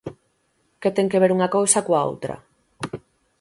Que ten que ver unha cousa coa outra?